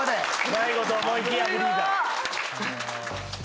大悟と思いきやフリーザ。